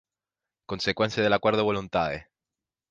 Consecuencia del acuerdo de voluntades.